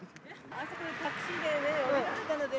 あそこでタクシー降りられたので。